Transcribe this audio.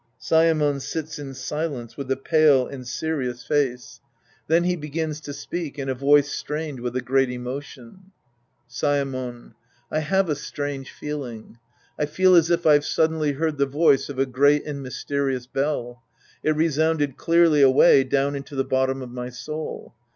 (Saemon sits in silence with a pale and serious face. 52 The Priest and His Disciples Act I Then he begins to speak in a voice strained with a great emotion^ Saemon. I have a strange feeling. I feel as if I've suddenly heard the voice of a great and mysteri ous bell. It resounded clearly away down into the bottom of my soul.